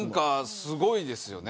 すごいですよね。